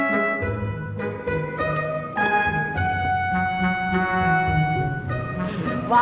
yang kayak ada samma